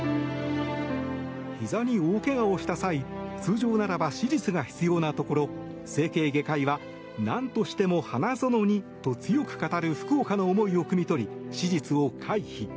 ひざに大怪我をした際通常ならば手術が必要なところ整形外科医はなんとしても花園にと強く語る福岡の思いを酌み取り手術を回避。